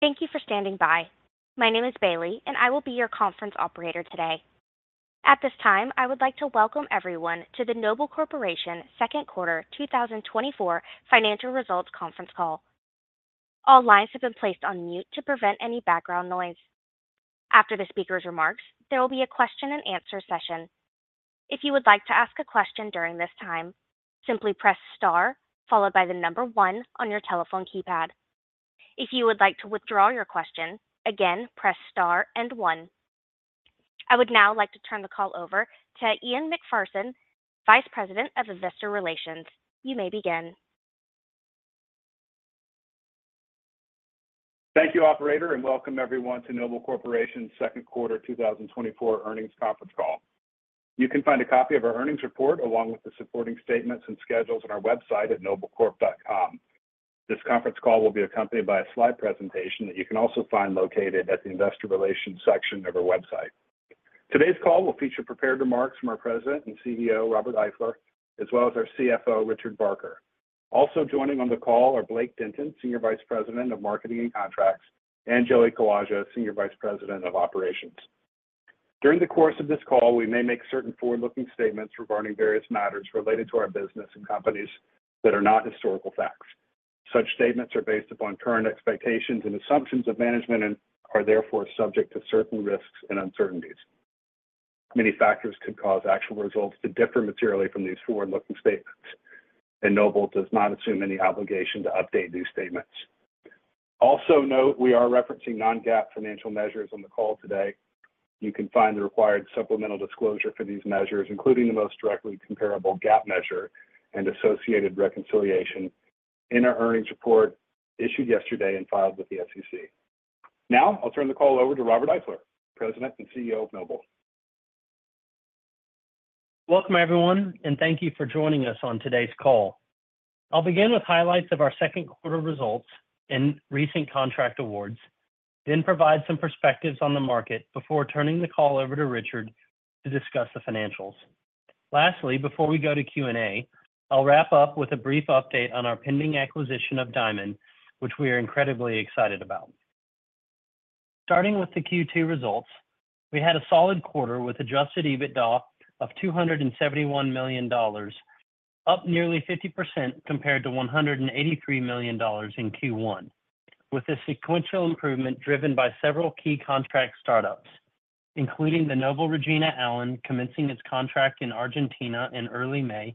Thank you for standing by. My name is Bailey, and I will be your conference operator today. At this time, I would like to welcome everyone to the Noble Corporation Second Quarter 2024 Financial Results Conference Call. All lines have been placed on mute to prevent any background noise. After the speaker's remarks, there will be a question and answer session. If you would like to ask a question during this time, simply press star followed by the number 1 on your telephone keypad. If you would like to withdraw your question, again, press star and 1. I would now like to turn the call over to Ian MacPherson, Vice President of Investor Relations. You may begin. Thank you, operator, and welcome everyone to Noble Corporation's Second Quarter 2024 Earnings Conference Call. You can find a copy of our earnings report along with the supporting statements and schedules on our website at noblecorp.com. This conference call will be accompanied by a slide presentation that you can also find located at the Investor Relations section of our website. Today's call will feature prepared remarks from our President and CEO, Robert Eifler, as well as our CFO, Richard Barker. Also joining on the call are Blake Denton, Senior Vice President of Marketing and Contracts, and Joey Kawaja, Senior Vice President of Operations. During the course of this call, we may make certain forward-looking statements regarding various matters related to our business and companies that are not historical facts. Such statements are based upon current expectations and assumptions of management and are therefore subject to certain risks and uncertainties. Many factors could cause actual results to differ materially from these forward-looking statements, and Noble does not assume any obligation to update these statements. Also note, we are referencing non-GAAP financial measures on the call today. You can find the required supplemental disclosure for these measures, including the most directly comparable GAAP measure and associated reconciliation, in our earnings report issued yesterday and filed with the SEC. Now, I'll turn the call over to Robert Eifler, President and CEO of Noble. Welcome, everyone, and thank you for joining us on today's call. I'll begin with highlights of our second quarter results and recent contract awards, then provide some perspectives on the market before turning the call over to Richard to discuss the financials. Lastly, before we go to Q&A, I'll wrap up with a brief update on our pending acquisition of Diamond, which we are incredibly excited about. Starting with the Q2 results, we had a solid quarter with adjusted EBITDA of $271 million, up nearly 50% compared to $183 million in Q1, with a sequential improvement driven by several key contract startups, including the Noble Regina Allen, commencing its contract in Argentina in early May,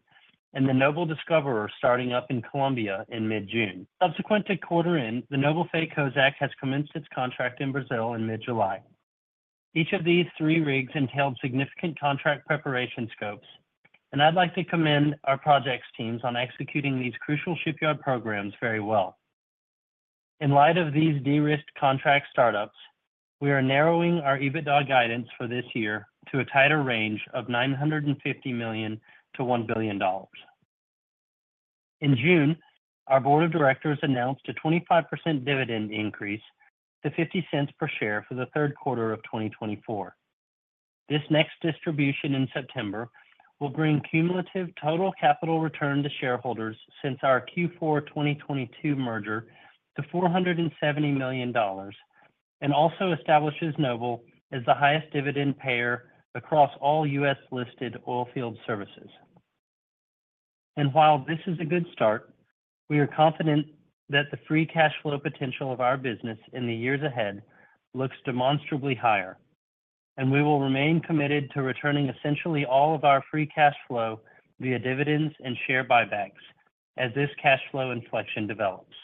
and the Noble Discoverer starting up in Colombia in mid-June. Subsequent to quarter end, the Noble Faye Kozack has commenced its contract in Brazil in mid-July. Each of these three rigs entailed significant contract preparation scopes, and I'd like to commend our projects teams on executing these crucial shipyard programs very well. In light of these de-risked contract startups, we are narrowing our EBITDA guidance for this year to a tighter range of $950 million-$1 billion. In June, our board of directors announced a 25% dividend increase to $0.50 per share for the third quarter of 2024. This next distribution in September will bring cumulative total capital return to shareholders since our Q4 2022 merger to $470 million, and also establishes Noble as the highest dividend payer across all US-listed oil field services. And while this is a good start, we are confident that the free cash flow potential of our business in the years ahead looks demonstrably higher, and we will remain committed to returning essentially all of our free cash flow via dividends and share buybacks as this cash flow inflection develops.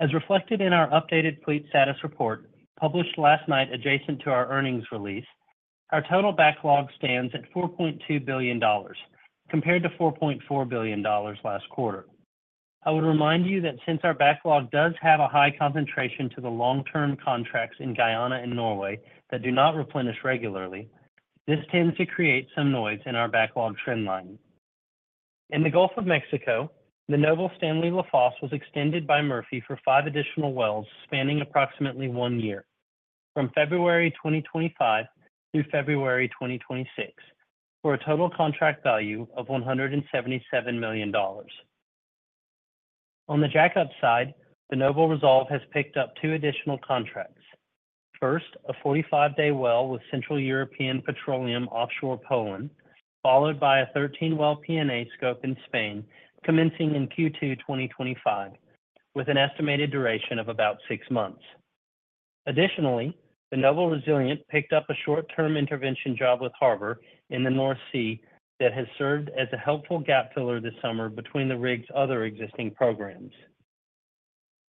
As reflected in our updated fleet status report, published last night adjacent to our earnings release, our total backlog stands at $4.2 billion, compared to $4.4 billion last quarter. I would remind you that since our backlog does have a high concentration to the long-term contracts in Guyana and Norway that do not replenish regularly, this tends to create some noise in our backlog trend line. In the Gulf of Mexico, the Noble Stanley Lafosse was extended by Murphy for 5 additional wells spanning approximately one year, from February 2025 through February 2026, for a total contract value of $177 million. On the jackup side, the Noble Resolve has picked up two additional contracts. First, a 45-day well with Central European Petroleum offshore Poland, followed by a 13-well P&A scope in Spain, commencing in Q2 2025, with an estimated duration of about 6 months. Additionally, the Noble Resilient picked up a short-term intervention job with Harbour in the North Sea that has served as a helpful gap filler this summer between the rig's other existing programs.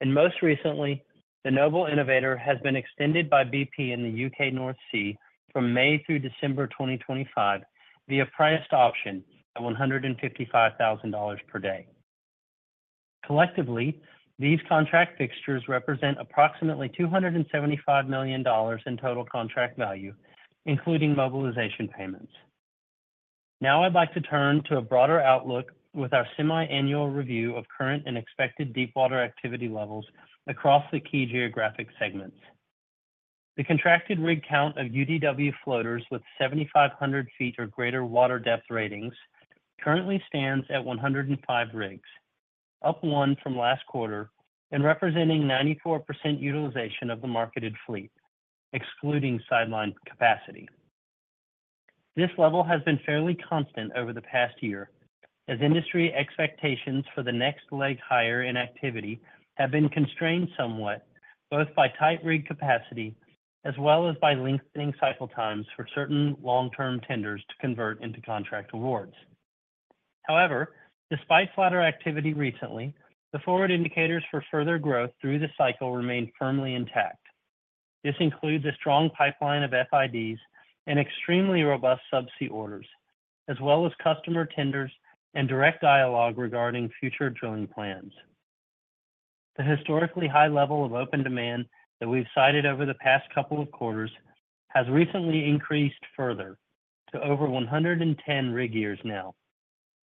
Most recently, the Noble Innovator has been extended by BP in the U.K. North Sea from May through December 2025, via priced option at $155,000 per day. Collectively, these contract fixtures represent approximately $275 million in total contract value, including mobilization payments. Now I'd like to turn to a broader outlook with our semi-annual review of current and expected deepwater activity levels across the key geographic segments. The contracted rig count of UDW floaters with 7,500 feet or greater water depth ratings currently stands at 105 rigs, up one from last quarter and representing 94% utilization of the marketed fleet, excluding sidelined capacity. This level has been fairly constant over the past year, as industry expectations for the next leg higher in activity have been constrained somewhat, both by tight rig capacity as well as by lengthening cycle times for certain long-term tenders to convert into contract awards. However, despite flatter activity recently, the forward indicators for further growth through the cycle remain firmly intact. This includes a strong pipeline of FIDs and extremely robust subsea orders, as well as customer tenders and direct dialogue regarding future drilling plans. The historically high level of open demand that we've cited over the past couple of quarters has recently increased further to over 110 rig years now.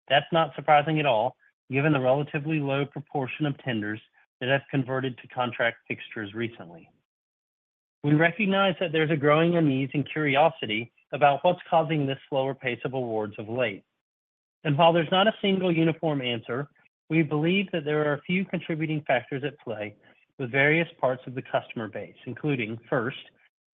That's not surprising at all, given the relatively low proportion of tenders that have converted to contract fixtures recently. We recognize that there's a growing unease and curiosity about what's causing this slower pace of awards of late. And while there's not a single uniform answer, we believe that there are a few contributing factors at play with various parts of the customer base, including, first,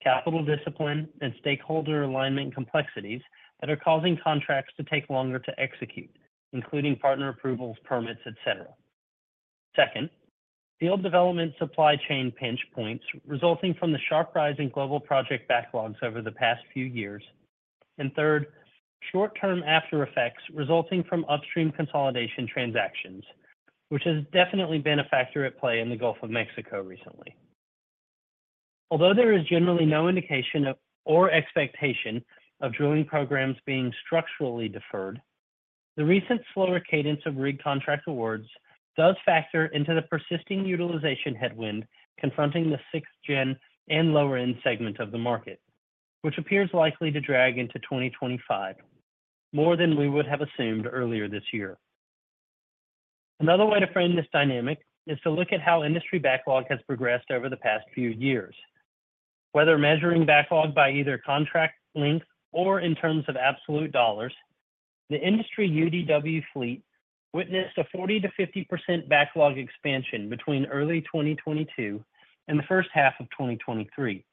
capital discipline and stakeholder alignment complexities that are causing contracts to take longer to execute, including partner approvals, permits, et cetera. Second, field development supply chain pinch points resulting from the sharp rise in global project backlogs over the past few years. And third, short-term after effects resulting from upstream consolidation transactions, which has definitely been a factor at play in the Gulf of Mexico recently. Although there is generally no indication of or expectation of drilling programs being structurally deferred, the recent slower cadence of rig contract awards does factor into the persisting utilization headwind confronting the 6th-Gen and lower-end segment of the market, which appears likely to drag into 2025, more than we would have assumed earlier this year. Another way to frame this dynamic is to look at how industry backlog has progressed over the past few years. Whether measuring backlog by either contract length or in terms of absolute dollars, the industry UDW fleet witnessed a 40%-50% backlog expansion between early 2022 and the first half of 2023.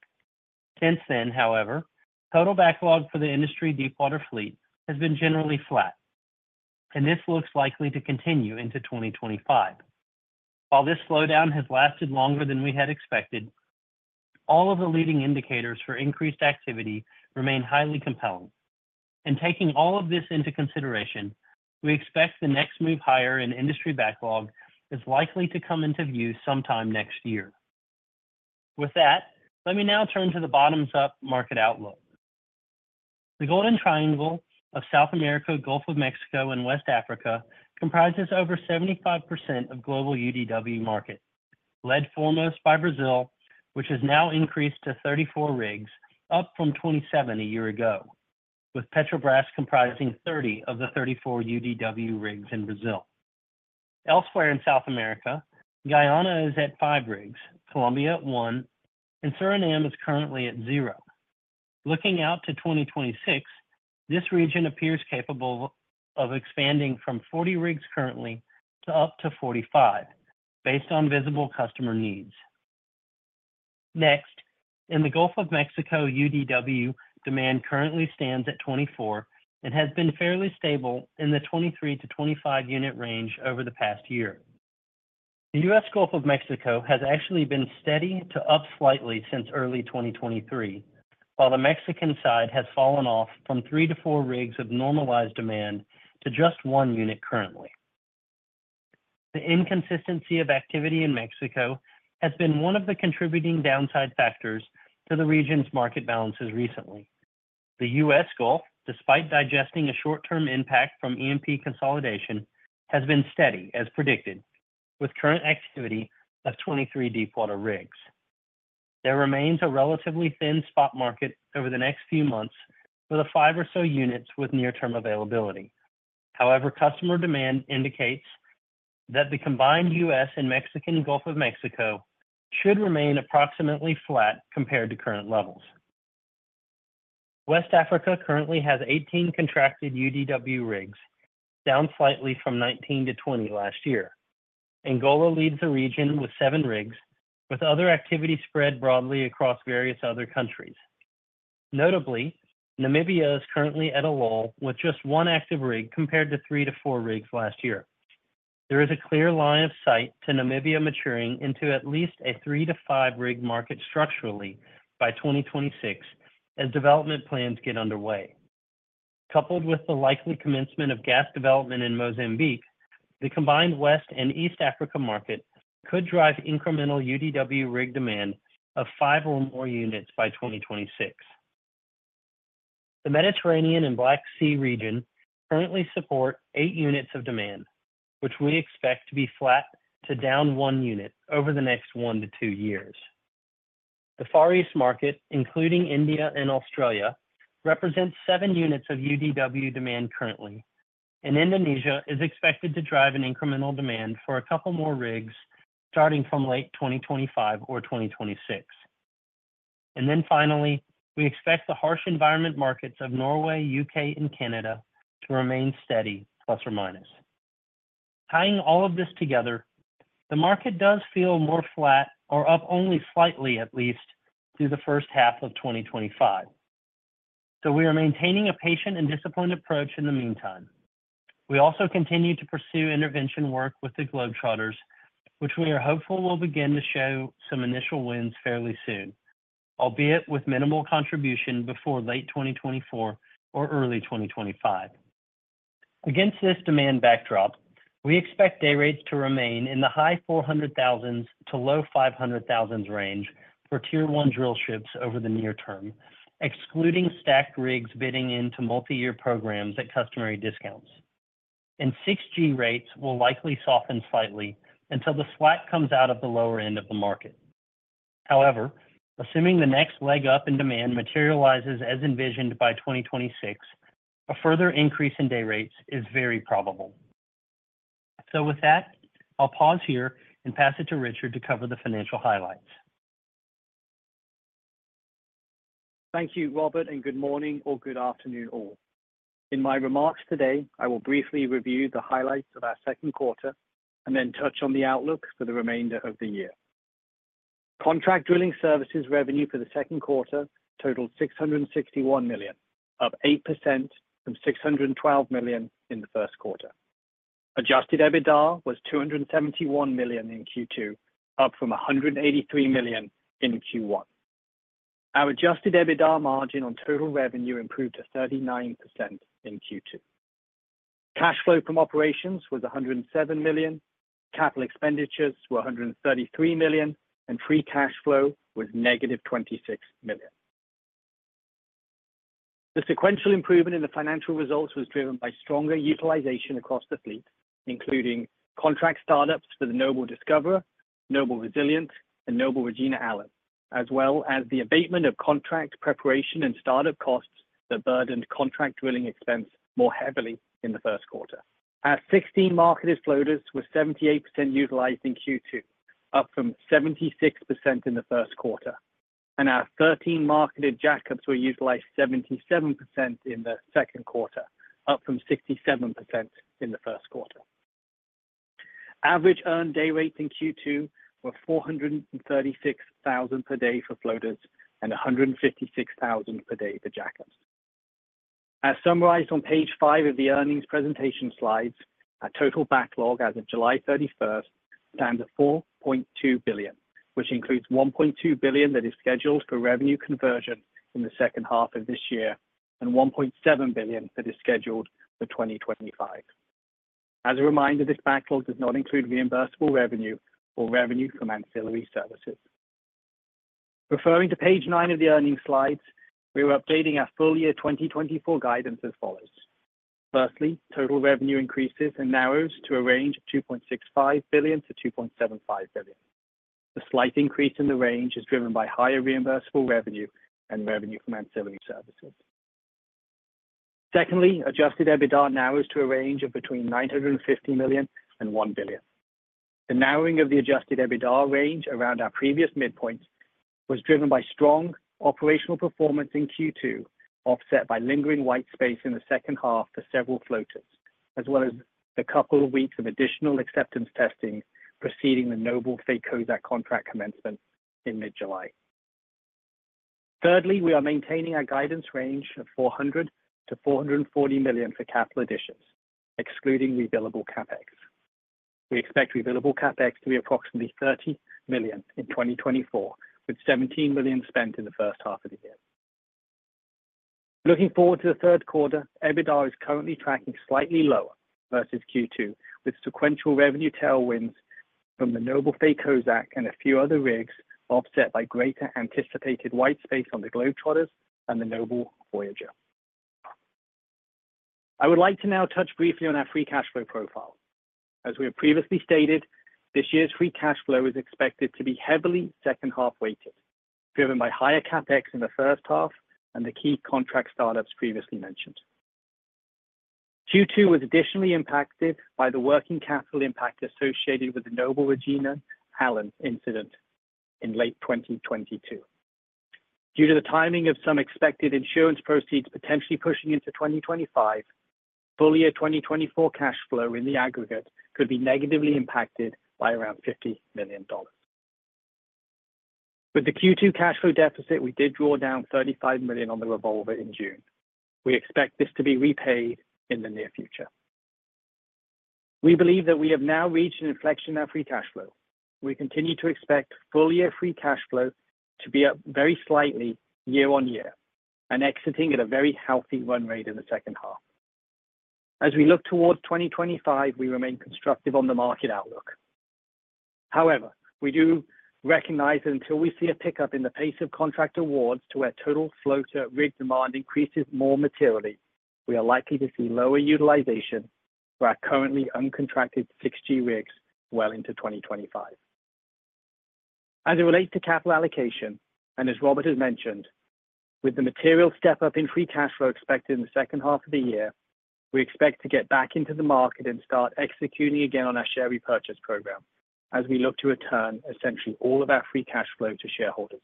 Since then, however, total backlog for the industry deepwater fleet has been generally flat, and this looks likely to continue into 2025. While this slowdown has lasted longer than we had expected, all of the leading indicators for increased activity remain highly compelling, and taking all of this into consideration, we expect the next move higher in industry backlog is likely to come into view sometime next year. With that, let me now turn to the bottoms-up market outlook. The Golden Triangle of South America, Gulf of Mexico, and West Africa comprises over 75% of global UDW market, led foremost by Brazil, which has now increased to 34 rigs, up from 27 a year ago, with Petrobras comprising 30 of the 34 UDW rigs in Brazil. Elsewhere in South America, Guyana is at five rigs, Colombia at one, and Suriname is currently at zero. Looking out to 2026, this region appears capable of expanding from 40 rigs currently to up to 45, based on visible customer needs. Next, in the Gulf of Mexico, UDW demand currently stands at 24 and has been fairly stable in the 23-25 unit range over the past year. The U.S. Gulf of Mexico has actually been steady to up slightly since early 2023, while the Mexican side has fallen off from 3-4 rigs of normalized demand to just one unit currently. The inconsistency of activity in Mexico has been one of the contributing downside factors to the region's market balances recently. The U.S. Gulf, despite digesting a short-term impact from E&P consolidation, has been steady, as predicted, with current activity of 23 deepwater rigs. There remains a relatively thin spot market over the next few months for the five or so units with near-term availability. However, customer demand indicates that the combined U.S. and Mexican Gulf of Mexico should remain approximately flat compared to current levels. West Africa currently has 18 contracted UDW rigs, down slightly from 19-20 last year. Angola leads the region with seven rigs, with other activity spread broadly across various other countries. Notably, Namibia is currently at a lull, with just one active rig, compared to 3-4 rigs last year. There is a clear line of sight to Namibia maturing into at least a 3-5 rig market structurally by 2026 as development plans get underway. Coupled with the likely commencement of gas development in Mozambique, the combined West and East Africa market could drive incremental UDW rig demand of five or more units by 2026. The Mediterranean and Black Sea region currently support eight units of demand, which we expect to be flat to down one unit over the next one to two years. The Far East market, including India and Australia, represents seven units of UDW demand currently. Indonesia is expected to drive an incremental demand for a couple more rigs, starting from late 2025 or 2026. Then finally, we expect the harsh environment markets of Norway, U.K., and Canada to remain steady ±. Tying all of this together, the market does feel more flat or up only slightly, at least through the first half of 2025. We are maintaining a patient and disciplined approach in the meantime. We also continue to pursue intervention work with the Globetrotters, which we are hopeful will begin to show some initial wins fairly soon, albeit with minimal contribution before late 2024 or early 2025. Against this demand backdrop, we expect day rates to remain in the high $400,000s to low $500,000s range for tier one drill ships over the near term, excluding stacked rigs bidding into multi-year programs at customary discounts. 6G rates will likely soften slightly until the slack comes out of the lower end of the market. However, assuming the next leg up in demand materializes as envisioned by 2026, a further increase in day rates is very probable. With that, I'll pause here and pass it to Richard to cover the financial highlights. Thank you, Robert, and good morning or good afternoon, all. In my remarks today, I will briefly review the highlights of our second quarter and then touch on the outlook for the remainder of the year. Contract drilling services revenue for the second quarter totaled $661 million, up 8% from $612 million in the first quarter. Adjusted EBITDA was $271 million in Q2, up from $183 million in Q1. Our adjusted EBITDA margin on total revenue improved to 39% in Q2. Cash flow from operations was $107 million, capital expenditures were $133 million, and free cash flow was negative $26 million. The sequential improvement in the financial results was driven by stronger utilization across the fleet, including contract startups for the Noble Discoverer, Noble Resilient, and Noble Regina Allen, as well as the abatement of contract preparation and startup costs that burdened contract drilling expense more heavily in the first quarter. Our 16 marketed floaters were 78% utilized in Q2, up from 76% in the first quarter, and our 13 marketed jackups were utilized 77% in the second quarter, up from 67% in the first quarter. Average earned day rates in Q2 were $436,000 per day for floaters and $156,000 per day for jackups. As summarized on page 5 of the earnings presentation slides, our total backlog as of July 31st stands at $4.2 billion, which includes $1.2 billion that is scheduled for revenue conversion in the second half of this year and $1.7 billion that is scheduled for 2025. As a reminder, this backlog does not include reimbursable revenue or revenue from ancillary services. Referring to page 9 of the earnings slides, we are updating our full year 2024 guidance as follows: firstly, total revenue increases and narrows to a range of $2.65 billion-$2.75 billion. The slight increase in the range is driven by higher reimbursable revenue and revenue from ancillary services. Secondly, adjusted EBITDA narrows to a range of between $950 million and $1 billion. The narrowing of the adjusted EBITDA range around our previous midpoints was driven by strong operational performance in Q2, offset by lingering white space in the second half for several floaters, as well as the couple of weeks of additional acceptance testing preceding the Noble Fay Kozak contract commencement in mid-July. Thirdly, we are maintaining our guidance range of $400 million-$440 million for capital additions, excluding billable CapEx. We expect billable CapEx to be approximately $30 million in 2024, with $17 million spent in the first half of the year. Looking forward to the third quarter, EBITDA is currently tracking slightly lower versus Q2, with sequential revenue tailwinds from the Noble Fay Kozak and a few other rigs offset by greater anticipated white space on the Globetrotters and the Noble Voyager. I would like to now touch briefly on our free cash flow profile. As we have previously stated, this year's free cash flow is expected to be heavily second-half weighted, driven by higher CapEx in the first half and the key contract startups previously mentioned. Q2 was additionally impacted by the working capital impact associated with the Noble Regina Allen incident in late 2022. Due to the timing of some expected insurance proceeds potentially pushing into 2025, full year 2024 cash flow in the aggregate could be negatively impacted by around $50 million. With the Q2 cash flow deficit, we did draw down $35 million on the revolver in June. We expect this to be repaid in the near future. We believe that we have now reached an inflection of free cash flow. We continue to expect full year free cash flow to be up very slightly year-over-year and exiting at a very healthy run rate in the second half. As we look towards 2025, we remain constructive on the market outlook. However, we do recognize that until we see a pickup in the pace of contract awards to where total floater rig demand increases more materially, we are likely to see lower utilization for our currently uncontracted 6G rigs well into 2025. As it relates to capital allocation, and as Robert has mentioned, with the material step-up in free cash flow expected in the second half of the year, we expect to get back into the market and start executing again on our share repurchase program as we look to return essentially all of our free cash flow to shareholders.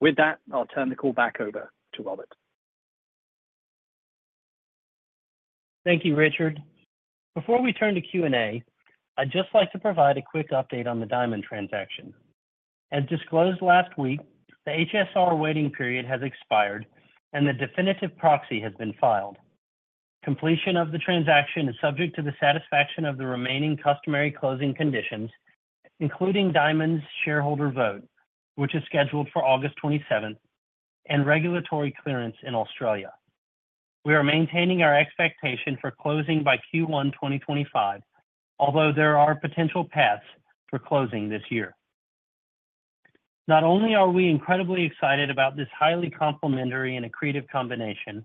With that, I'll turn the call back over to Robert. Thank you, Richard. Before we turn to Q&A, I'd just like to provide a quick update on the Diamond transaction. As disclosed last week, the HSR waiting period has expired, and the definitive proxy has been filed. Completion of the transaction is subject to the satisfaction of the remaining customary closing conditions, including Diamond's shareholder vote, which is scheduled for August 27th, and regulatory clearance in Australia. We are maintaining our expectation for closing by Q1 2025, although there are potential paths for closing this year. Not only are we incredibly excited about this highly complementary and accretive combination,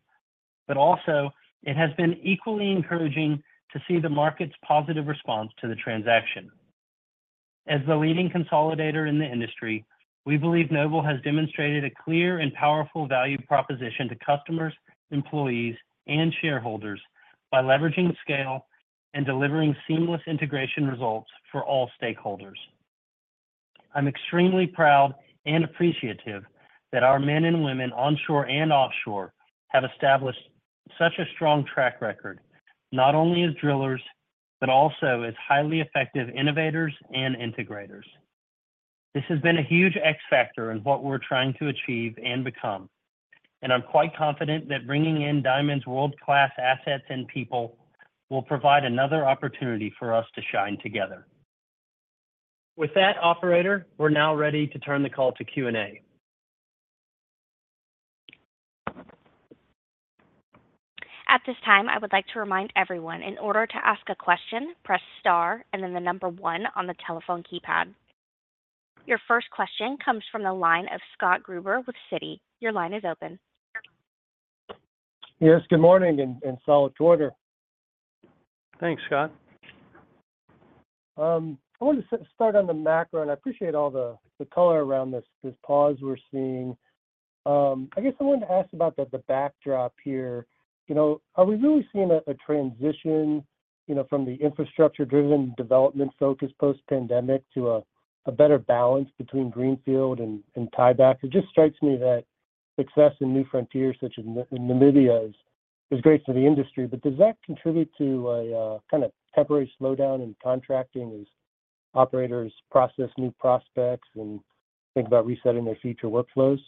but also it has been equally encouraging to see the market's positive response to the transaction. As the leading consolidator in the industry, we believe Noble has demonstrated a clear and powerful value proposition to customers, employees, and shareholders by leveraging scale and delivering seamless integration results for all stakeholders. I'm extremely proud and appreciative that our men and women, onshore and offshore, have established such a strong track record, not only as drillers, but also as highly effective innovators and integrators. This has been a huge X factor in what we're trying to achieve and become, and I'm quite confident that bringing in Diamond's World-Class Assets and people will provide another opportunity for us to shine together. With that, operator, we're now ready to turn the call to Q&A. At this time, I would like to remind everyone, in order to ask a question, press star and then the number one on the telephone keypad. Your first question comes from the line of Scott Gruber with Citi. Your line is open. Yes, good morning and solid quarter. Thanks, Scott. I wanted to start on the macro, and I appreciate all the color around this pause we're seeing. I guess I wanted to ask about the backdrop here. You know, are we really seeing a transition, you know, from the infrastructure-driven development focus post-pandemic to a better balance between greenfield and tieback? It just strikes me that success in new frontiers, such as in Namibia, is great for the industry, but does that contribute to a kind of temporary slowdown in contracting as operators process new prospects and think about resetting their future workflows?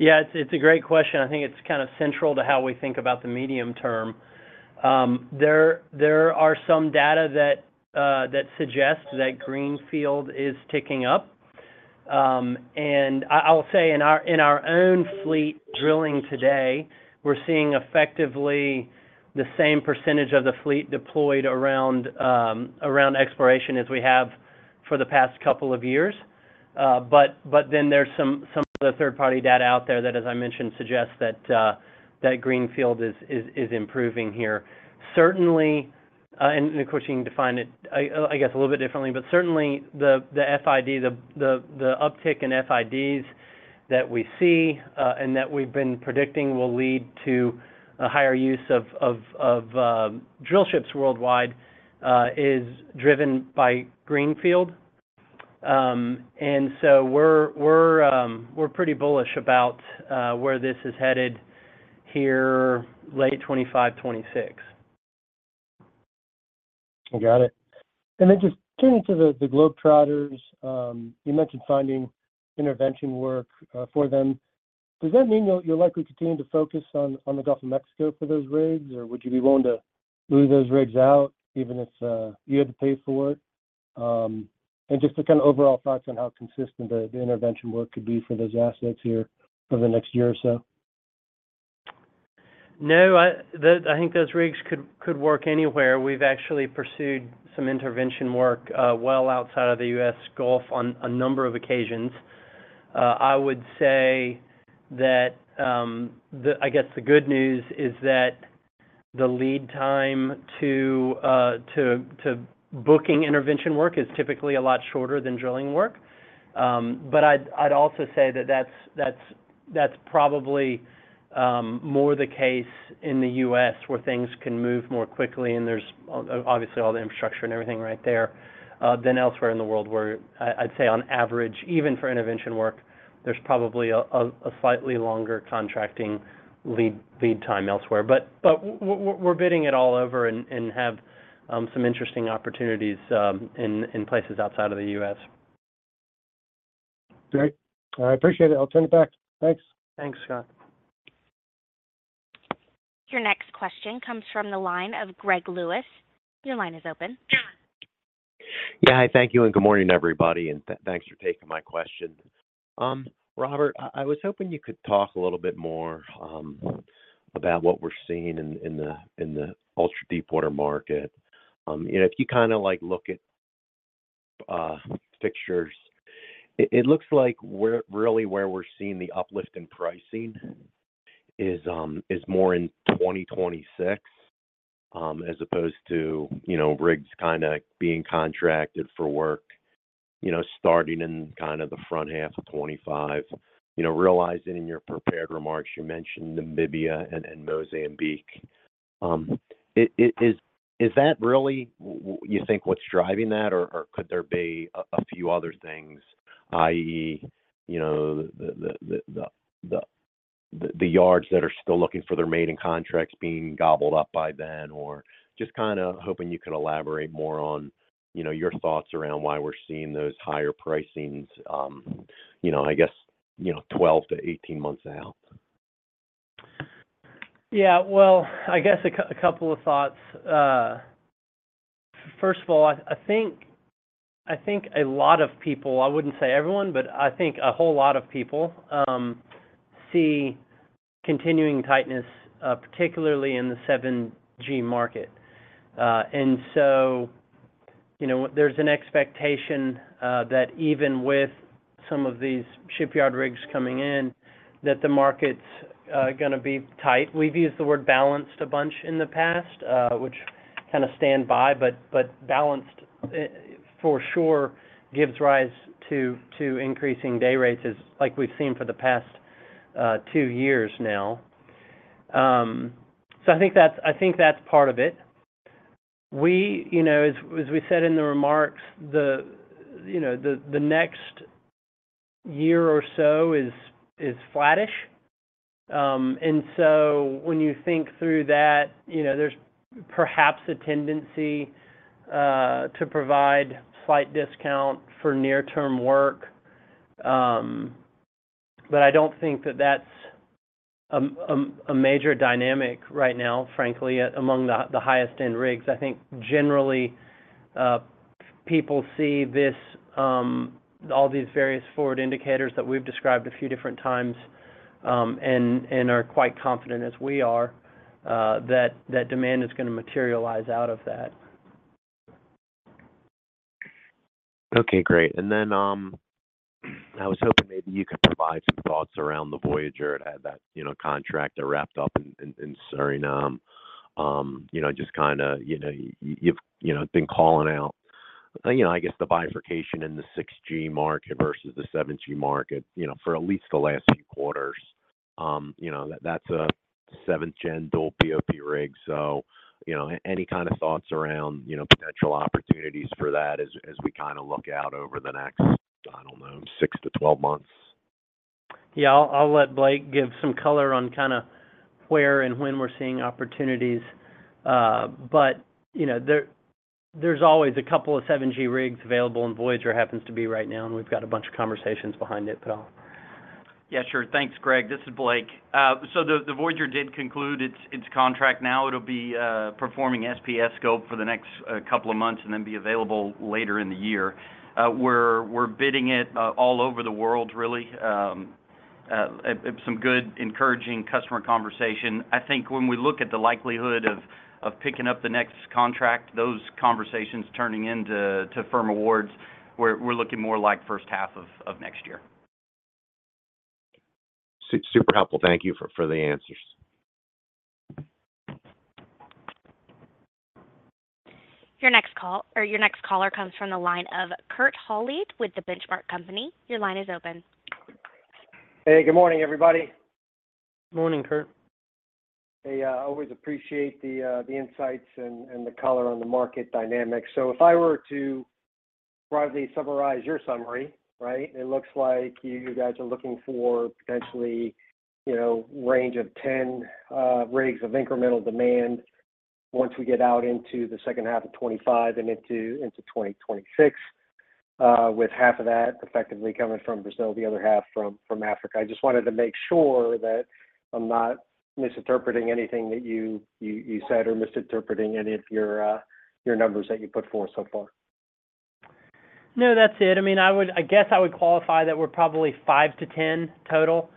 Yeah, it's, it's a great question. I think it's kind of central to how we think about the medium term. There, there are some data that that suggest that greenfield is ticking up. And I will say in our, in our own fleet drilling today, we're seeing effectively the same percentage of the fleet deployed around, around exploration as we have for the past couple of years. But, but then there's some, some of the third-party data out there that, as I mentioned, suggests that that greenfield is improving here. Certainly, and of course, you can define it, I guess, a little bit differently, but certainly the FID, the uptick in FIDs that we see, and that we've been predicting will lead to a higher use of drill ships worldwide, is driven by greenfield. So we're pretty bullish about where this is headed here, late 2025, 2026. I got it. And then just turning to the Globetrotters, you mentioned finding intervention work for them. Does that mean you'll likely continue to focus on the Gulf of Mexico for those rigs? Or would you be willing to move those rigs out, even if you had to pay for it? And just the kind of overall thoughts on how consistent the intervention work could be for those assets here for the next year or so. No, I think those rigs could work anywhere. We've actually pursued some intervention work, well outside of the U.S. Gulf on a number of occasions. I would say that I guess the good news is that the lead time to booking intervention work is typically a lot shorter than drilling work. But I'd also say that that's probably more the case in the U.S., where things can move more quickly, and there's obviously all the infrastructure and everything right there, than elsewhere in the world, where I'd say on average, even for intervention work, there's probably a slightly longer contracting lead time elsewhere. But we're bidding it all over and have some interesting opportunities in places outside of the U.S. Great. I appreciate it. I'll turn it back. Thanks. Thanks, Scott. Your next question comes from the line of Greg Lewis. Your line is open. Yeah. Hi, thank you, and good morning, everybody, and thanks for taking my question. Robert, I was hoping you could talk a little bit more about what we're seeing in the ultra-deepwater market. You know, if you kinda, like, look at fixtures, it looks like we're really where we're seeing the uplift in pricing is more in 2026. As opposed to, you know, rigs kind of being contracted for work, you know, starting in kind of the front half of 2025. You know, realizing in your prepared remarks, you mentioned Namibia and Mozambique. Is that really what you think what's driving that? Or could there be a few other things, i.e., you know, the yards that are still looking for their maiden contracts being gobbled up by then? Or just kinda hoping you could elaborate more on, you know, your thoughts around why we're seeing those higher pricings, you know, I guess, 12-18 months out. Yeah, well, I guess a couple of thoughts. First of all, I think a lot of people, I wouldn't say everyone, but I think a whole lot of people see continuing tightness, particularly in the 7G market. And so, you know, there's an expectation that even with some of these shipyard rigs coming in, that the market's gonna be tight. We've used the word balanced a bunch in the past, which kinda stand by, but balanced, for sure, gives rise to increasing day rates as like we've seen for the past two years now. So I think that's part of it. We, you know, as we said in the remarks, the next year or so is flattish. And so when you think through that, you know, there's perhaps a tendency to provide slight discount for near-term work. But I don't think that that's a major dynamic right now, frankly, among the highest end rigs. I think generally people see this all these various forward indicators that we've described a few different times, and are quite confident as we are that demand is gonna materialize out of that. Okay, great. And then, I was hoping maybe you could provide some thoughts around the Voyager. It had that, you know, contract that wrapped up in Suriname. You know, just kinda, you know, you've, you know, been calling out, you know, I guess, the bifurcation in the 6G market versus the 7G market, you know, for at least the last few quarters. You know, that's a 7th-Gen dual BOP rig. So, you know, any kind of thoughts around, you know, potential opportunities for that as we kinda look out over the next, I don't know, 6 to 12 months? Yeah, I'll let Blake give some color on kinda where and when we're seeing opportunities. But, you know, there's always a couple of 7G rigs available, and Voyager happens to be right now, and we've got a bunch of conversations behind it, but... Yeah, sure. Thanks, Greg. This is Blake. So the Voyager did conclude its contract. Now it'll be performing SPS scope for the next couple of months, and then be available later in the year. We're bidding it all over the world, really. Some good encouraging customer conversation. I think when we look at the likelihood of picking up the next contract, those conversations turning into to firm awards, we're looking more like first half of next year. Super helpful. Thank you for the answers. Your next call or your next caller comes from the line of Kurt Hallead with The Benchmark Company. Your line is open. Hey, good morning, everybody. Morning, Kurt. Hey, I always appreciate the insights and the color on the market dynamics. So if I were to broadly summarize your summary, right? It looks like you guys are looking for potentially, you know, range of 10 rigs of incremental demand once we get out into the second half of 2025 and into 2026, with half of that effectively coming from Brazil, the other half from Africa. I just wanted to make sure that I'm not misinterpreting anything that you said or misinterpreting any of your numbers that you put forth so far. No, that's it. I mean, I would, I guess I would qualify that we're probably 5-10 total.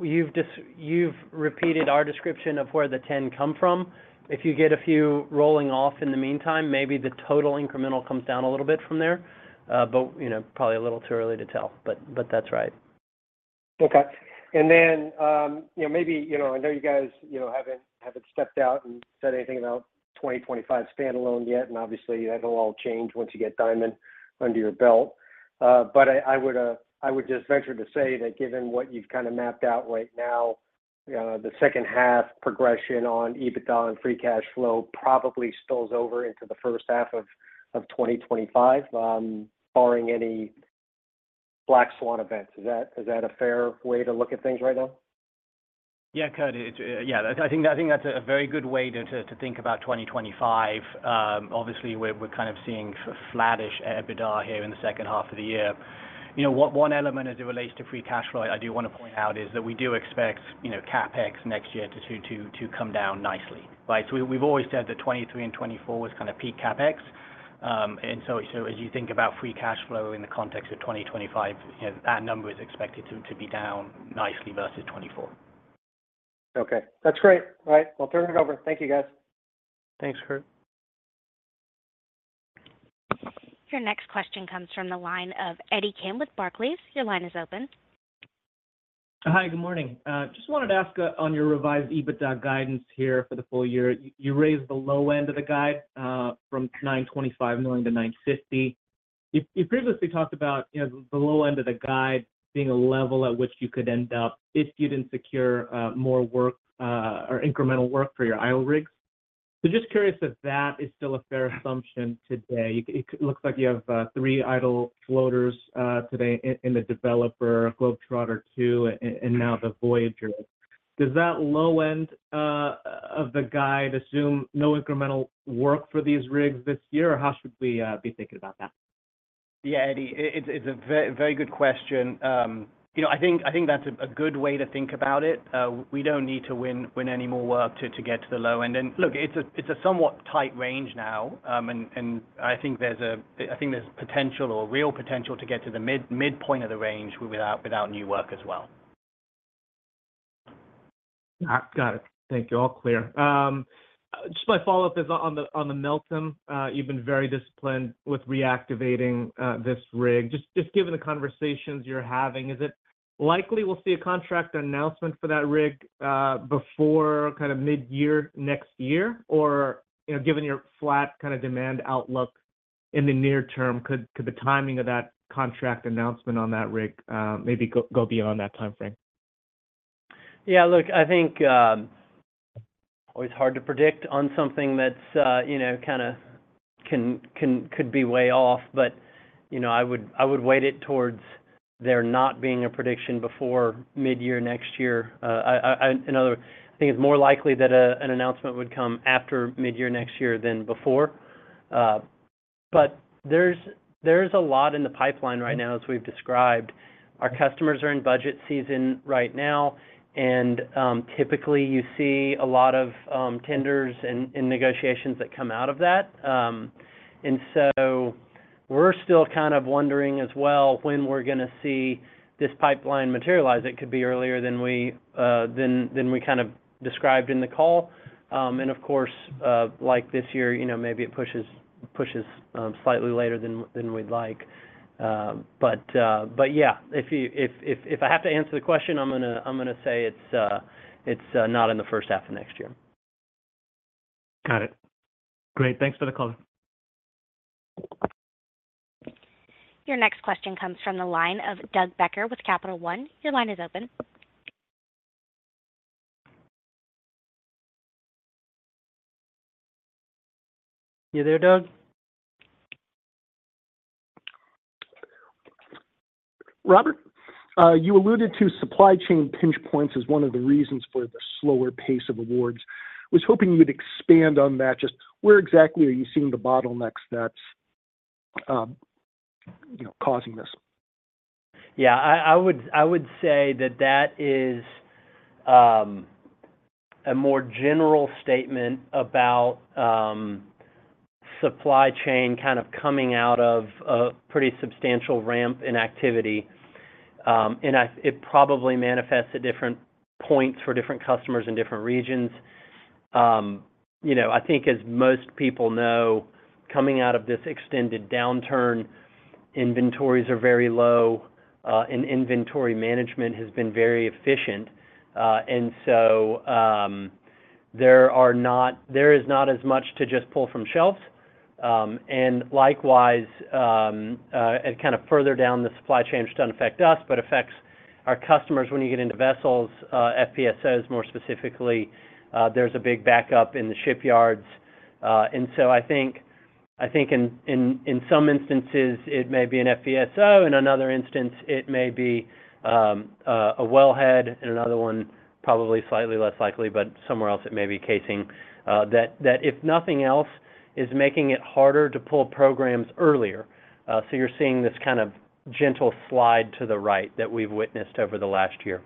You've just, you've repeated our description of where the 10 come from. If you get a few rolling off in the meantime, maybe the total incremental comes down a little bit from there, but, you know, probably a little too early to tell. But, but that's right. Okay. And then, you know, maybe, you know, I know you guys, you know, haven't stepped out and said anything about 2025 standalone yet, and obviously, that'll all change once you get Diamond under your belt. But I would just venture to say that given what you've kinda mapped out right now, the second half progression on EBITDA and free cash flow probably spills over into the first half of 2025, barring any black swan events. Is that a fair way to look at things right now? Yeah, Kurt, it's... Yeah, I think, I think that's a very good way to, to, to think about 2025. Obviously, we're, we're kind of seeing flattish EBITDA here in the second half of the year. You know, one, one element as it relates to free cash flow, I do wanna point out, is that we do expect, you know, CapEx next year to, to, to come down nicely, right? So we've always said that 2023 and 2024 was kinda peak CapEx. And so, so as you think about free cash flow in the context of 2025, you know, that number is expected to, to be down nicely versus 2024. Okay. That's great, right. I'll turn it over. Thank you, guys. Thanks, Kurt. Your next question comes from the line of Eddie Kim with Barclays. Your line is open. Hi, good morning. Just wanted to ask on your revised EBITDA guidance here for the full year. You raised the low end of the guide from $925 million to $950 million. You previously talked about, you know, the low end of the guide being a level at which you could end up if you didn't secure more work or incremental work for your idle rigs. So just curious if that is still a fair assumption today. It looks like you have three idle floaters today in the Discoverer, Globetrotter II, and now the Voyager. Does that low end of the guide assume no incremental work for these rigs this year, or how should we be thinking about that? Yeah, Eddie, it's a very, very good question. You know, I think, I think that's a good way to think about it. We don't need to win, win any more work to, to get to the low end. And look, it's a, it's a somewhat tight range now, and, and I think there's potential or real potential to get to the mid-midpoint of the range without, without new work as well. Got it. Thank you. All clear. Just my follow-up is on the Meltem. You've been very disciplined with reactivating this rig. Just given the conversations you're having, is it likely we'll see a contract announcement for that rig before kind of midyear next year? Or, you know, given your flat kinda demand outlook in the near term, could the timing of that contract announcement on that rig maybe go beyond that timeframe? Yeah, look, I think always hard to predict on something that's, you know, could be way off. But, you know, I would weight it towards there not being a prediction before midyear next year. I think it's more likely that an announcement would come after midyear next year than before. But there's a lot in the pipeline right now, as we've described. Our customers are in budget season right now, and typically, you see a lot of tenders and negotiations that come out of that. And so we're still kind of wondering as well, when we're gonna see this pipeline materialize. It could be earlier than we kind of described in the call. Of course, like this year, you know, maybe it pushes slightly later than we'd like. But yeah, if I have to answer the question, I'm gonna say it's not in the first half of next year. Got it. Great. Thanks for the call. Your next question comes from the line of Doug Becker with Capital One. Your line is open. You there, Doug? Robert, you alluded to supply chain pinch points as one of the reasons for the slower pace of awards. I was hoping you would expand on that. Just where exactly are you seeing the bottlenecks that's, you know, causing this? Yeah. I would say that that is a more general statement about supply chain kind of coming out of a pretty substantial ramp in activity. It probably manifests at different points for different customers in different regions. You know, I think as most people know, coming out of this extended downturn, inventories are very low, and inventory management has been very efficient. And so, there is not as much to just pull from shelves. And likewise, and kind of further down the supply chain, which doesn't affect us, but affects our customers when you get into vessels, FPSOs, more specifically, there's a big backup in the shipyards. And so I think, I think in some instances it may be an FPSO, in another instance, it may be a wellhead, and another one, probably slightly less likely, but somewhere else it may be casing. That, that if nothing else, is making it harder to pull programs earlier, so you're seeing this kind of gentle slide to the right that we've witnessed over the last year.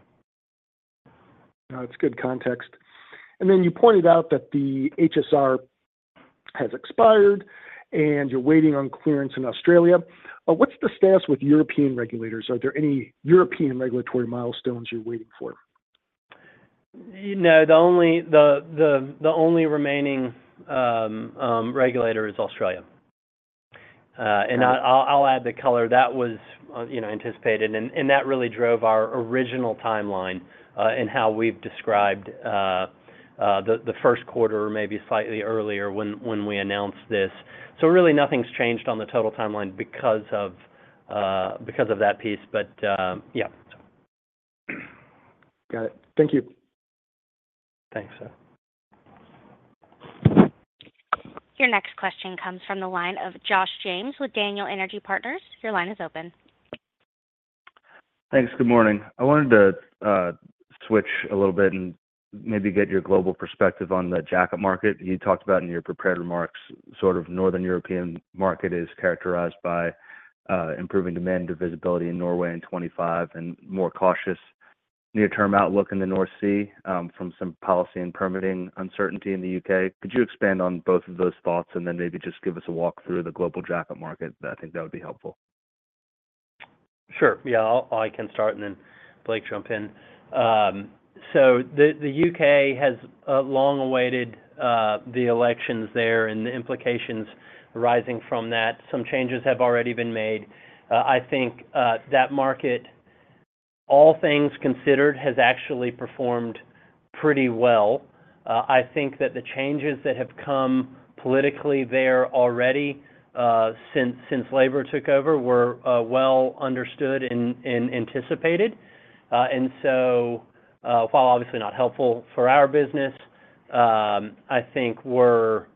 No, it's good context. Then you pointed out that the HSR has expired, and you're waiting on clearance in Australia. What's the status with European regulators? Are there any European regulatory milestones you're waiting for? No, the only remaining regulator is Australia. And I'll add the color that was, you know, anticipated, and that really drove our original timeline in how we've described the first quarter, or maybe slightly earlier, when we announced this. So really nothing's changed on the total timeline because of that piece. But yeah. Got it. Thank you. Thanks, sir. Your next question comes from the line of Josh Jayne with Daniel Energy Partners. Your line is open. Thanks. Good morning. I wanted to switch a little bit and maybe get your global perspective on the jackup market. You talked about in your prepared remarks, sort of Northern European market is characterized by improving demand and visibility in Norway in 2025 and more cautious near-term outlook in the North Sea from some policy and permitting uncertainty in the U.K. Could you expand on both of those thoughts and then maybe just give us a walk through the global jackup market? I think that would be helpful. Sure. Yeah, I'll, I can start, and then Blake, jump in. So the U.K. has long awaited the elections there and the implications arising from that. Some changes have already been made. I think that market, all things considered, has actually performed pretty well. I think that the changes that have come politically there already since Labour took over were well understood and anticipated. And so, while obviously not helpful for our business, I think we're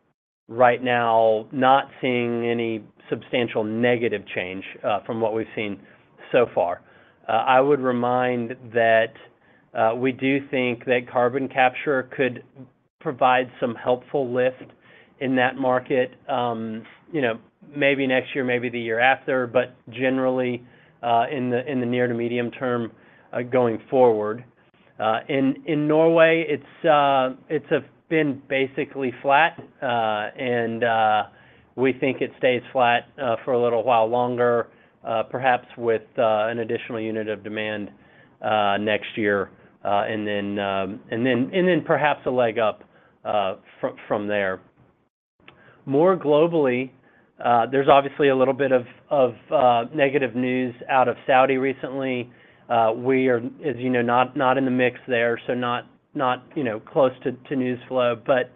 right now not seeing any substantial negative change from what we've seen so far. I would remind that we do think that carbon capture could provide some helpful lift in that market, you know, maybe next year, maybe the year after, but generally, in the near to medium term, going forward. In Norway, it's been basically flat. We think it stays flat for a little while longer, perhaps with an additional unit of demand next year, and then perhaps a leg up from there. More globally, there's obviously a little bit of negative news out of Saudi recently. We are, as you know, not in the mix there, so not you know, close to news flow. But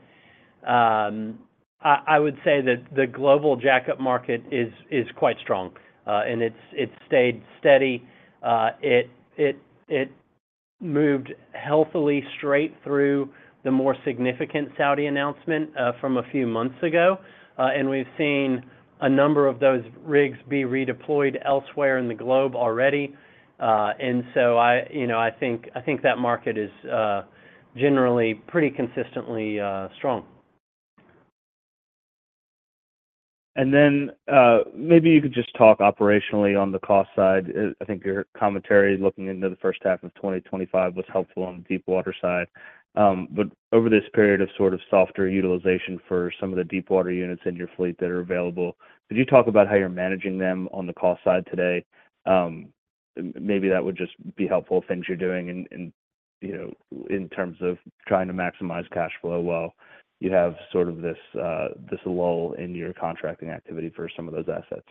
I would say that the global jackup market is quite strong, and it's stayed steady. It moved healthily straight through the more significant Saudi announcement from a few months ago. And we've seen a number of those rigs be redeployed elsewhere in the globe already. And so I, you know, I think, I think that market is generally pretty consistently strong. And then, maybe you could just talk operationally on the cost side. I think your commentary looking into the first half of 2025 was helpful on the deepwater side. But over this period of sort of softer utilization for some of the deepwater units in your fleet that are available, could you talk about how you're managing them on the cost side today? Maybe that would just be helpful, things you're doing in, you know, in terms of trying to maximize cash flow while you have sort of this lull in your contracting activity for some of those assets.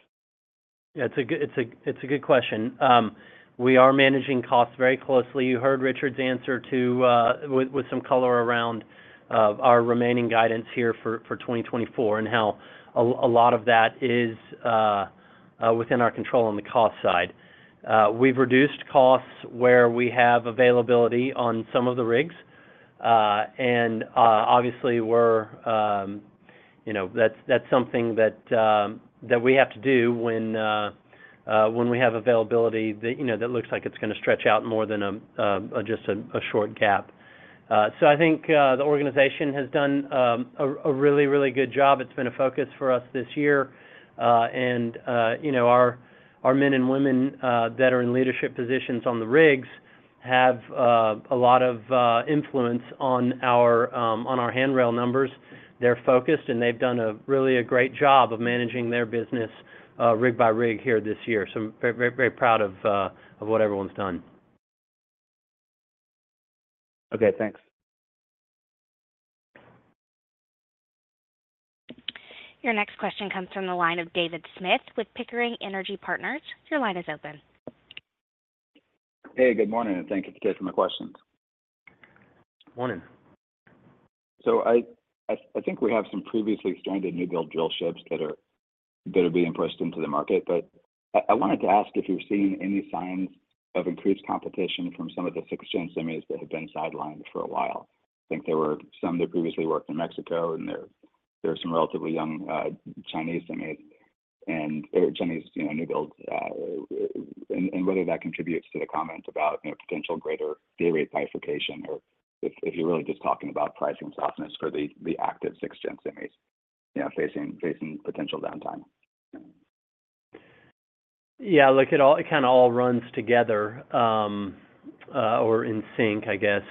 Yeah, it's a good question. We are managing costs very closely. You heard Richard's answer to, with, with some color around, our remaining guidance here for, for 2024, and how a lot of that is, within our control on the cost side. We've reduced costs where we have availability on some of the rigs. And, obviously, we're, you know, that's, that's something that, that we have to do when, when we have availability that, you know, that looks like it's gonna stretch out more than, just a short gap. So I think, the organization has done, a really, really good job. It's been a focus for us this year. You know, our men and women that are in leadership positions on the rigs have a lot of influence on our handrail numbers. They're focused, and they've done a really great job of managing their business, rig by rig here this year, so very, very, very proud of what everyone's done. Okay, thanks. Your next question comes from the line of David Smith with Pickering Energy Partners. Your line is open. Hey, good morning, and thank you for taking my questions. Morning. So I think we have some previously stranded newbuild drill ships that are being pushed into the market. But I wanted to ask if you're seeing any signs of increased competition from some of the 6th-Gen semis that have been sidelined for a while? I think there were some that previously worked in Mexico, and there are some relatively young Chinese semis and, or Chinese, you know, newbuilds, and whether that contributes to the comment about, you know, potential greater day rate bifurcation or if you're really just talking about pricing softness for the active 6th-Gen semis, you know, facing potential downtime. Yeah, look, it all, it kind of all runs together, or in sync, I guess.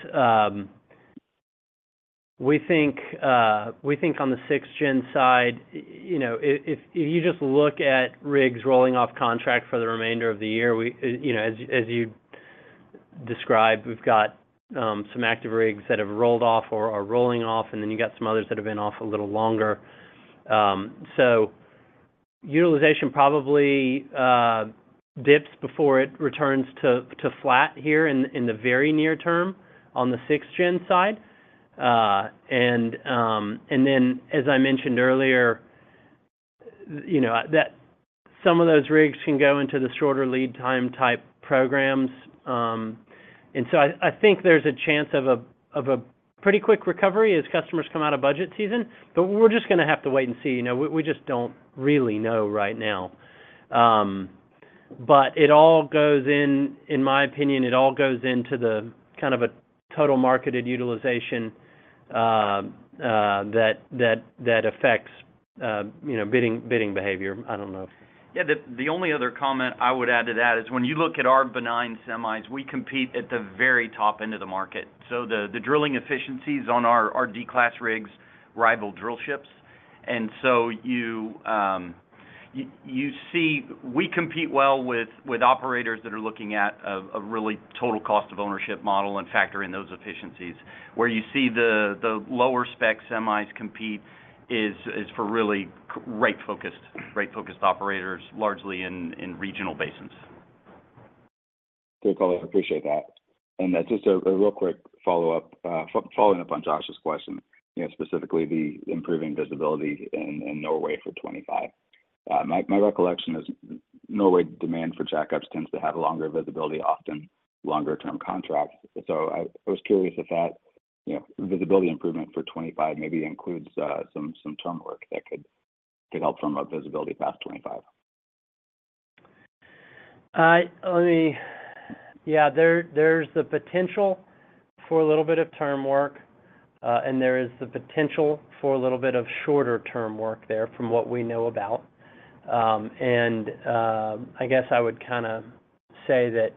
We think on the 6th-Gen side, you know, if you just look at rigs rolling off contract for the remainder of the year, we, you know, as you described, we've got some active rigs that have rolled off or are rolling off, and then you've got some others that have been off a little longer. So utilization probably dips before it returns to flat here in the very near term on the 6th-Gen side. And then, as I mentioned earlier, you know, that some of those rigs can go into the shorter lead time type programs. And so I think there's a chance of a pretty quick recovery as customers come out of budget season, but we're just gonna have to wait and see. You know, we just don't really know right now. But in my opinion, it all goes into the kind of a total marketed utilization that affects, you know, bidding behavior. I don't know. Yeah, the only other comment I would add to that is, when you look at our benign semis, we compete at the very top end of the market. So the drilling efficiencies on our D class rigs rival drill ships. And so you see, we compete well with operators that are looking at a really total cost of ownership model and factor in those efficiencies. Where you see the lower spec semis compete is for really rate-focused operators, largely in regional basins. Great, Blake. I appreciate that. And just a real quick follow-up, following up on Josh's question, you know, specifically the improving visibility in Norway for 2025. My recollection is Norway demand for jackups tends to have longer visibility, often longer-term contracts. So I was curious if that, you know, visibility improvement for 2025 maybe includes some term work that could help from a visibility past 2025. Yeah, there, there's the potential for a little bit of term work, and there is the potential for a little bit of shorter-term work there from what we know about. I guess I would kinda say that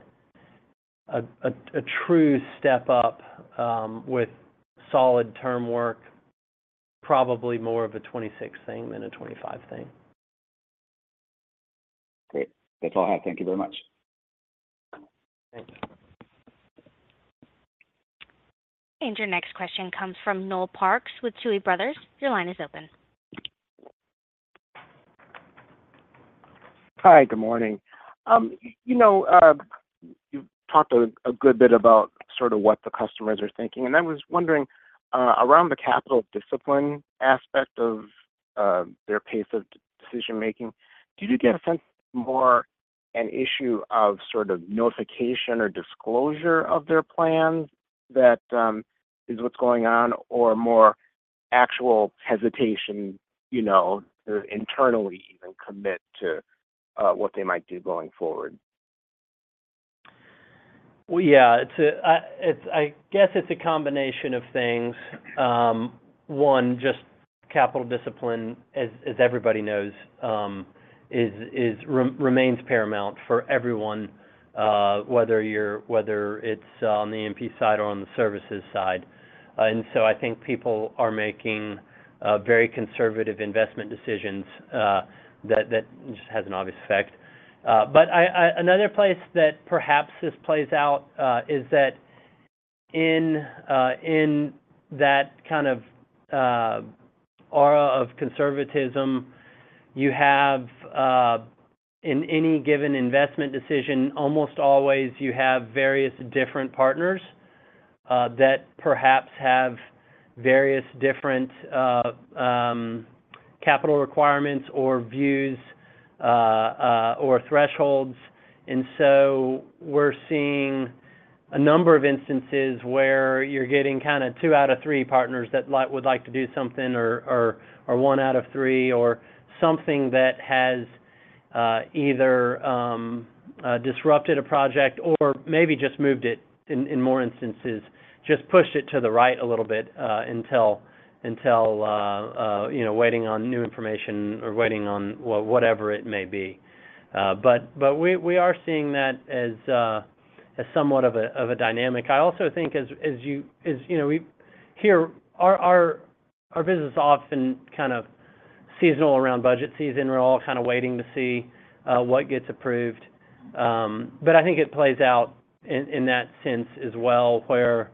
a true step-up with solid term work, probably more of a 2026 thing than a 2025 thing. Great. That's all I have. Thank you very much. Thank you. Your next question comes from Noel Parks with Tudor, Pickering, Holt & Co. Your line is open. Hi, good morning. You know, you've talked a good bit about sort of what the customers are thinking, and I was wondering around the capital discipline aspect of their pace of decision making, do you get a sense more an issue of sort of notification or disclosure of their plans that is what's going on, or more actual hesitation, you know, to internally even commit to what they might do going forward? Well, yeah, it's a, I guess it's a combination of things. One, just capital discipline, as everybody knows, remains paramount for everyone, whether it's on the E&P side or on the services side. And so I think people are making very conservative investment decisions that just has an obvious effect. But another place that perhaps this plays out is that in that kind of aura of conservatism, you have, in any given investment decision, almost always, you have various different partners that perhaps have various different capital requirements or views or thresholds. And so we're seeing a number of instances where you're getting kinda two out of three partners that would like to do something or one out of three, or something that has either disrupted a project or maybe just moved it, in more instances, just pushed it to the right a little bit, until you know, waiting on new information or waiting on well, whatever it may be. But we are seeing that as somewhat of a dynamic. I also think as you know, we here, our business is often kind of seasonal around budget season. We're all kinda waiting to see what gets approved. But I think it plays out in that sense as well, where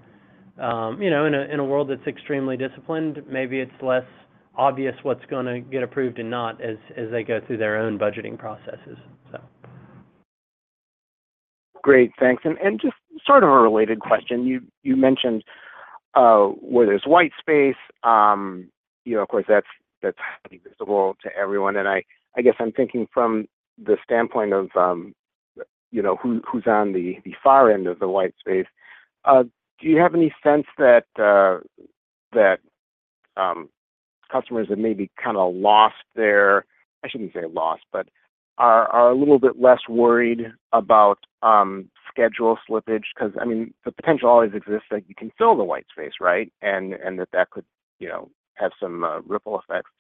you know, in a world that's extremely disciplined, maybe it's less obvious what's gonna get approved and not, as they go through their own budgeting processes, so. Great, thanks. And just sort of a related question, you mentioned where there's white space, you know, of course, that's highly visible to everyone. And I guess I'm thinking from the standpoint of, you know, who, who's on the far end of the white space. Do you have any sense that customers that maybe kinda lost their... I shouldn't say lost, but are a little bit less worried about schedule slippage? Because, I mean, the potential always exists that you can fill the white space, right? And that could, you know, have some ripple effects.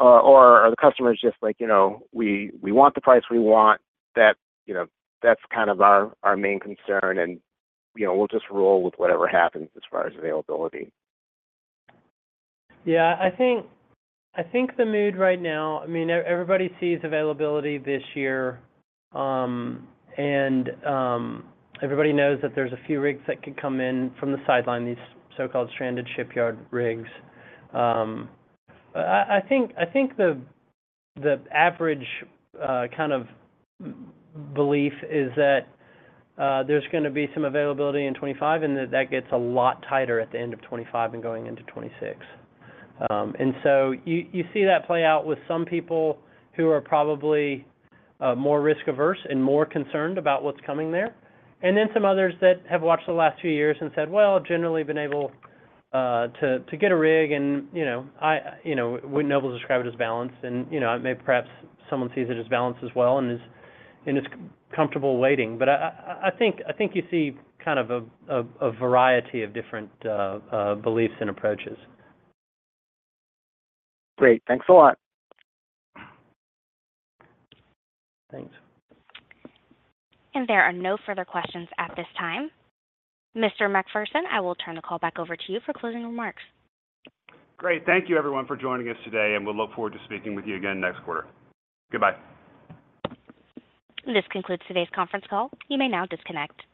Or are the customers just like, "You know, we, we want the price we want, that, you know, that's kind of our, our main concern, and, you know, we'll just roll with whatever happens as far as availability? Yeah, I think, I think the mood right now, I mean, everybody sees availability this year. And everybody knows that there's a few rigs that could come in from the sideline, these so-called stranded shipyard rigs. I think, I think the average kind of belief is that there's gonna be some availability in 2025, and that that gets a lot tighter at the end of 2025 and going into 2026. And so you see that play out with some people who are probably more risk-averse and more concerned about what's coming there. And then some others that have watched the last few years and said, "Well, I've generally been able to get a rig," and, you know, I, you know, Wood Mackenzie describe it as balance, and, you know, maybe perhaps someone sees it as balance as well and is comfortable waiting. But I think you see kind of a variety of different beliefs and approaches. Great. Thanks a lot. Thanks. There are no further questions at this time. Mr. MacPherson, I will turn the call back over to you for closing remarks. Great. Thank you, everyone, for joining us today, and we'll look forward to speaking with you again next quarter. Goodbye. This concludes today's conference call. You may now disconnect.